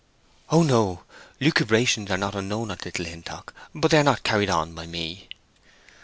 "Oh no. Lucubrations are not unknown at Little Hintock; but they are not carried on by me."